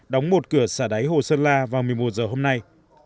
đóng một cửa xả đáy hồ sơn la vào một mươi một giờ hôm nay